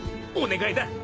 お願いだ。